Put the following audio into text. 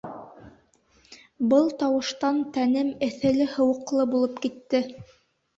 Был тауыштан тәнем эҫеле-һыуыҡлы булып китте.